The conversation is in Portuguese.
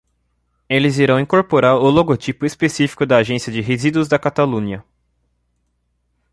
Eles irão incorporar o logotipo específico da Agência de Resíduos da Catalunha.